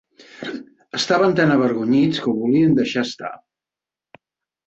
Estaven tan avergonyits que ho volien deixar estar.